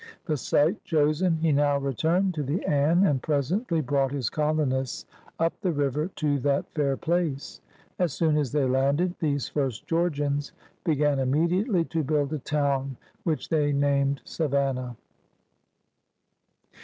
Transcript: The site chosen, he now returned to the Anne and presently brought his colonists up the river to that fair place. As soon as they landed, these first Georgians began immediately to build a town which they named Savannah.